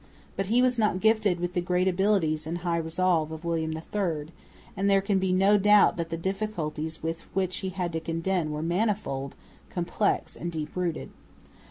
But he was not gifted with the great abilities and high resolve of William III; and there can be no doubt that the difficulties with which he had to contend were manifold, complex and deep rooted.